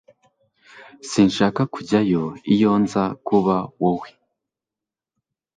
Sinshaka kujyayo iyo nza kuba wowe